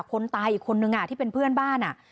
คนตายอีกคนนึงที่เป็นเพื่อนบ้าน